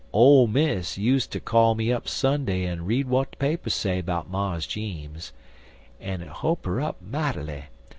Ole Miss useter call me up Sunday en read w'at de papers say 'bout Mars Jeems, en it ho'p 'er up might'ly.